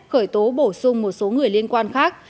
khởi tố bổ sung một số người liên quan khác